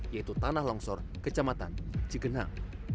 yaitu tanah longsor kecamatan cigenang